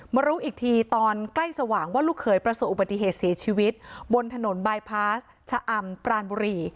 รู้อีกทีตอนใกล้สว่างว่าลูกเขยประสบอุบัติเหตุเสียชีวิตบนถนนบายพาสชะอำปรานบุรี